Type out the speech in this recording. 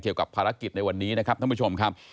เกี่ยวกับภารกิจในวันนี้นะครับท่านผู้ชมครับ